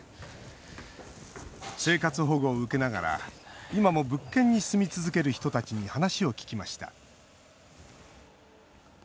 生活保護を受けながら今も物件に住み続ける人たちに話を聞きました